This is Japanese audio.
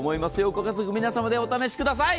ご家族皆様でお試しください。